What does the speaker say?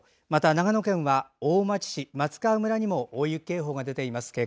また、長野県は大町市、松川村にも大雪警報が出ています。